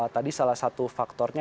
tadi salah satu faktornya